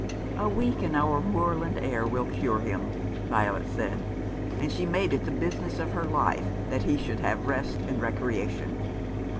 "A week in our moorland air will cure him," Violet said ; and she made it the business of her life that he should have rest and recreation.